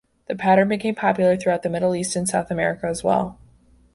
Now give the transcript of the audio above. The pattern became popular throughout the Middle East and South America as well.